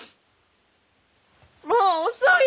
もう遅い。